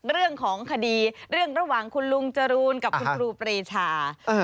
เรื่องของคดีเรื่องระหว่างคุณลุงจรูนกับคุณครูปรีชา